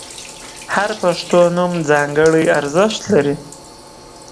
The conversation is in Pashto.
• هر پښتو نوم ځانګړی ارزښت لري.